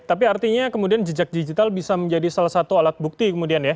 tapi artinya kemudian jejak digital bisa menjadi salah satu alat bukti kemudian ya